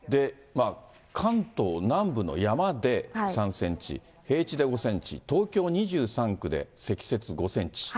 関東南部の山で３センチ、平地で５センチ、東京２３区で積雪５センチ。